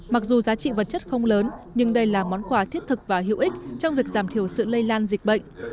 mặc dù giá trị vật chất không lớn nhưng đây là món quà thiết thực và hữu ích trong việc giảm thiểu sự lây lan dịch bệnh